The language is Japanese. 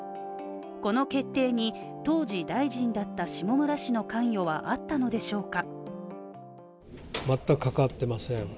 この決定に当時、大臣だった下村氏の関与はあったのでしょうか？